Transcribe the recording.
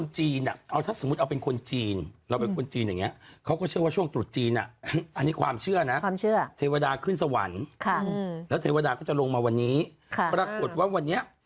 จะทำอะไรก็ได้จะตื่นใสก็ได้จะนอนดึกก็ได้